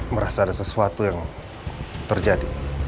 merasa ada sesuatu yang terjadi